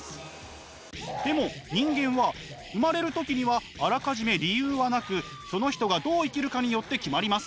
でも人間は生まれる時にはあらかじめ理由はなくその人がどう生きるかによって決まります。